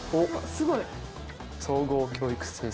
すごい。